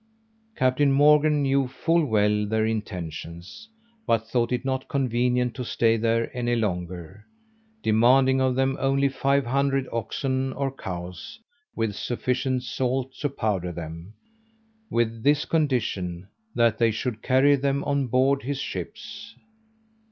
Captain Morgan knew full well their intentions, but thought it not convenient to stay there any longer, demanding of them only five hundred oxen or cows, with sufficient salt to powder them, with this condition, that they should carry them on board his ships.